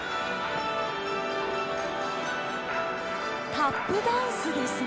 タップダンスですね。